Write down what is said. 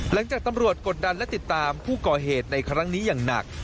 หลังจากตำรวจกดดันและติดตามผู้ก่อเหตุในครั้งนี้อย่างหนัก